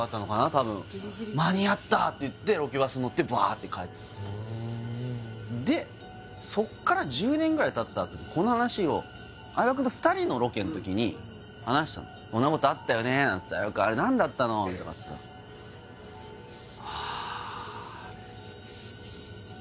多分「間に合った」って言ってロケバスに乗ってバッて帰ったでそっから１０年ぐらいたったあとにこの話を相葉くんと２人のロケの時に話したのこんなことあったよねなんて相葉くんあれ何だったの？とかって「あああれ」